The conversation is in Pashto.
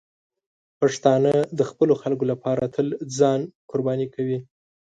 پښتانه د خپلو خلکو لپاره تل ځاني قرباني ورکوي.